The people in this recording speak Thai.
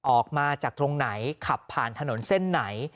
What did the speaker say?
ออกมาจากตรงไหนขับผ่านถนนเส้นไหน